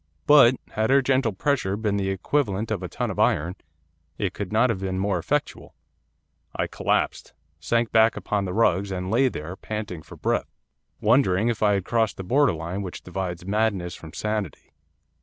But, had her gentle pressure been the equivalent of a ton of iron, it could not have been more effectual. I collapsed, sank back upon the rugs, and lay there, panting for breath, wondering if I had crossed the border line which divides madness from sanity.